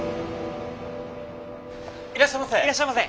いらっしゃいませ！